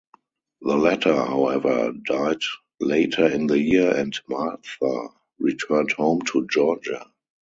The latter, however, died later in the year and Martha returned home to Georgia.